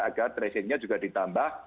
agar tracing nya juga ditambah